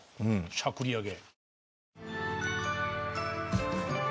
しゃくりあげ。